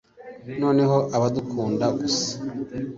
Noneho ababakunda gusa